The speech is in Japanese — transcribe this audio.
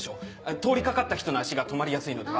通りかかった人の足が止まりやすいのでは。